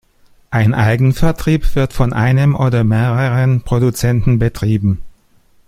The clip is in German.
Ein Eigenvertrieb wird von einem oder mehreren Produzenten betrieben.